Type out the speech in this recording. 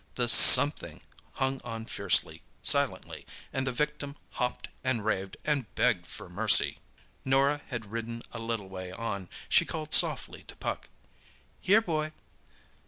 The "something" hung on fiercely, silently, and the victim hopped and raved and begged for mercy. Norah had ridden a little way on. She called softly to Puck. "Here, boy!"